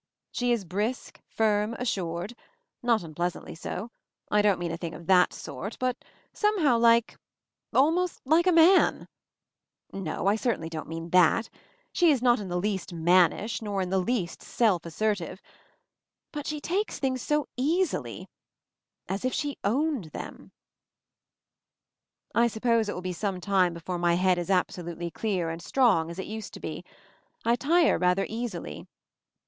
She is brisk, firm, assured — not unpleas antly so; I don't mean a thing of that sort; but somehow like — almost like a man ! No, I certainly don't mean that. She is not in the least mannish, nor in the least self asser 20 MOVING THE MOUNTAIN tive; but she takes things so easily — i as if she owned them. I suppose it will be some time before my head is absolutely clear and strong as it used to be. I tire rather easily.